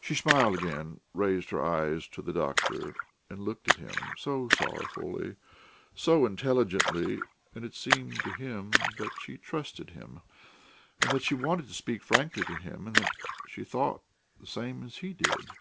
She smiled again, raised her eyes to the doctor, and looked at him so sorrowfully, so intelligently; and it seemed to him that she trusted him, and that she wanted to speak frankly to him, and that she thought the same as he did.